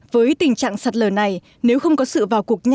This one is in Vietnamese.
với tình trạng sạt lở này nếu không có sự vào cuộc nhanh